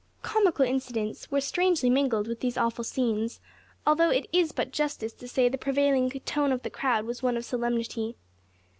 Comical incidents were strangely mingled with these awful scenes, although it is but justice to say the prevailing tone of the crowd was one of solemnity.